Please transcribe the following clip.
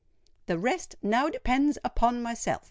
"The rest now depends upon myself!"